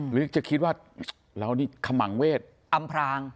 หรือจะคิดว่าเรานี่ขมังเวทอำพราง